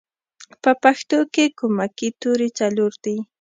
په پښتو کې کومکی توری څلور دی